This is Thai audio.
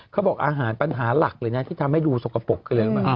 เขาบอกอาหารปัญหาหลักเลยน่ะที่ทำให้ดูโสกปกเลย